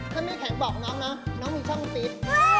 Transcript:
ถ้าไม่แข็งบอกน้องนะน้องมีช่องติด